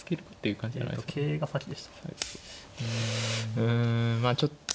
うんまあちょっと。